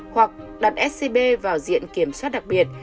hoặc đặt scb vào diện kiểm soát đặc biệt